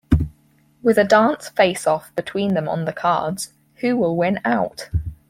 With a dance face-off between them on the cards, who will win out?